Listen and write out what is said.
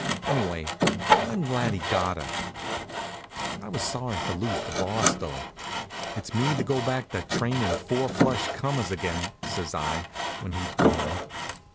Anyway, I'm glad he got her. I was sorry to lose the Boss, though. "It's me to go back to trainin' four flush comers again," says I, when he'd gone.